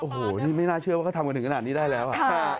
โอ้โหนี่ไม่น่าเชื่อว่าเขาทำกันถึงขนาดนี้ได้แล้ว